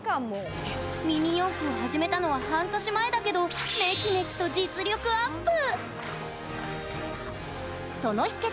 ミニ四駆を始めたのは半年前だけどメキメキと実力アップ！